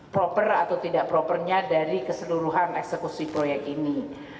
proper atau tidak propernya dari keseluruhan eksekusi proyek ini